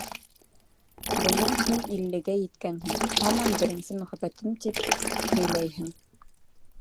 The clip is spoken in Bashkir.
Бына һин иллегә еткәнһең, һаман беренсе мөхәббәтем, тип һөйләйһең.